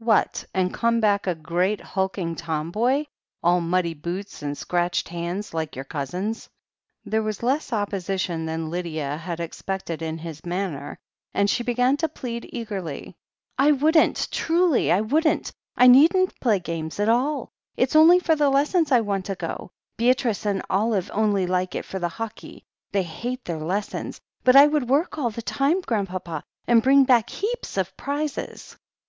"What, and come back a great hulking tomboy, all muddy boots, and scratched hands like your cousins?" There was less opposition than Lydia had expected in his manner, and she began to plead eagerly. "I wouldn't, truly I wouldn't — I needn't play games at all. It's only for the lessons I want to go. Beatrice and Olive only like it for the hockey, they hate their lessons. But I would work all the time. Grandpapa, and bring back heaps of prizes."